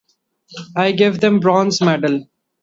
I give them bronze medal.